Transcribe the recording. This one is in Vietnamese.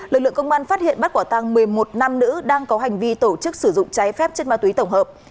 lực lượng công an phát hiện bắt quả tăng một mươi một nam nữ đang có hành vi tổ chức sử dụng trái phép chất ma túy tổng hợp